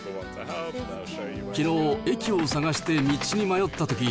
きのう、駅を探して道に迷ったとき、